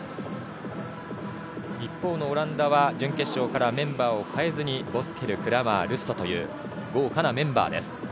一方のオランダは準決勝からメンバーを変えずにボスケル、クラマールストという豪華なメンバーです。